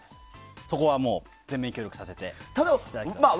そこはもう全面協力させていただきます。